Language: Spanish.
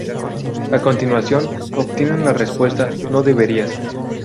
A continuación, obtienen la respuesta: "No deberías!